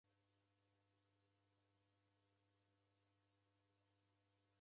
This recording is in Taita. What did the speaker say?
W'ana w'apo w'aw'elemwa kudeda.